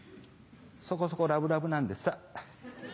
そこそこラブラブなんです。